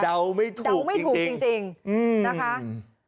ไม่ถูกเดาไม่ถูกจริงจริงอืมนะคะอืม